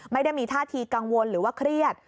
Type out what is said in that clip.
ไม่ได้มีท่าทีกังวลหรือว่าเครียด